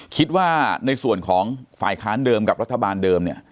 คิดว่าในส่วนของฝ่ายค้านเดิมกับรัฐบาลเดิมเนี่ย